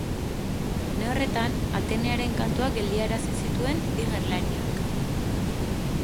Une horretan Atenearen kantuak geldiarazi zituen bi gerlariak.